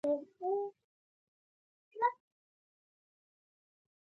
توده هوا د حرکت ټول توان نه کنټرولوي.